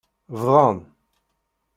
Bdan.